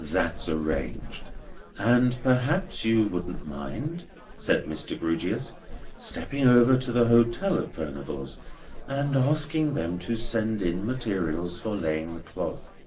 "That's arranged. And perhaps you wouldn't mind," said Mr. Grewgious, "stepping over to the hotel in Furnival's, and asking them to send in materials for laying the cloth.